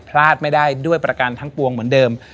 พลาดไม่ได้ด้วยประกันทั้งปวงเหมือนเดิม